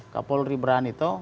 kapolri berani tahu